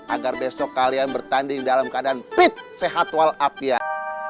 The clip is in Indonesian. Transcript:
agar besok kalian bertanding dalam keadaan fit sehat walafiat